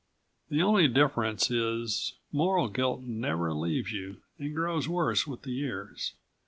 The only difference is moral guilt never leaves you and grows worse with the years.